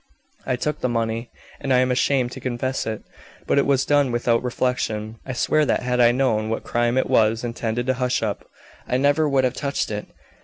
"I took the money, and I am ashamed to confess it. But it was done without reflection. I swear that had I known what crime it was intended to hush up, I never would have touched it.